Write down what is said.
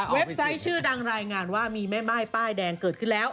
ไซต์ชื่อดังรายงานว่ามีแม่ม่ายป้ายแดงเกิดขึ้นแล้ว